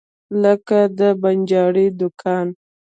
لکه د بنجاري دکان.